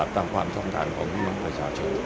ความต้องการของพี่น้องประชาชน